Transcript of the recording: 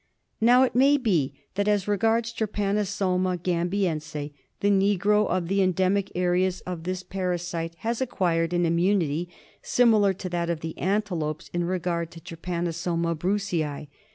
\ Now, it may be that, as regards Trypanosoma gam biense, the negro of the endemic areas of this parasite 124 ^^^ SLEEPING SICKNESS. has acquired an immunity similar to that of the ante lopes in regard to Trypanosoma brucei.